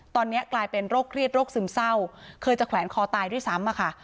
ตอนนี้กลายเป็นโรคเครียดโรคซึมเศร้าเคยจะแขวนคอตายด้วยซ้ำอะค่ะ